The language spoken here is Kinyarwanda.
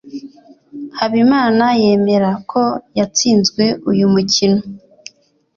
habimana yemera ko yatsinzwe uyumukino